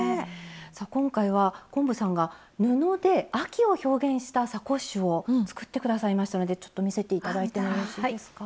さあ今回は昆布さんが布で秋を表現したサコッシュを作って下さいましたのでちょっと見せて頂いてもよろしいですか？